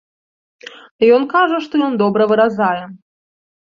Ён кажа, што ён добра выразае.